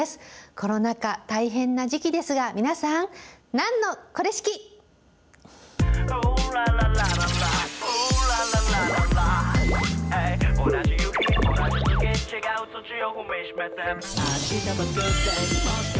コロナ禍、大変な時期ですが、皆さん、なんのこれしき！